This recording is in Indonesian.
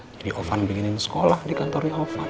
jadi ovan bikinin sekolah di kantornya ovan